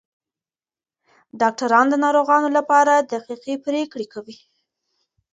ډاکټران د ناروغانو لپاره دقیقې پریکړې کوي.